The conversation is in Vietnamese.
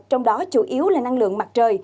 trong đó chủ yếu là năng lượng mặt trời